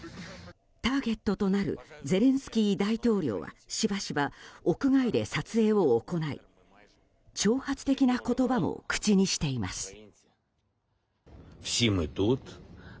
ターゲットとなるゼレンスキー大統領はしばしば屋外で撮影を行い挑発的な言葉も口にしています。